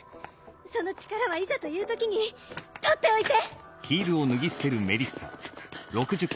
その力はいざという時に取っておいて。